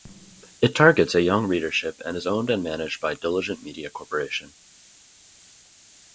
It targets a young readership and is owned and managed by Diligent Media Corporation.